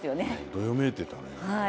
どよめいてたね。